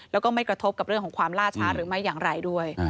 แล้วก็ไม่กระทบกับเรื่องของความล่าช้าหรือไม่อย่างไรด้วย